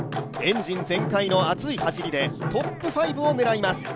エンジン全開の熱い走りでトップ５を狙います。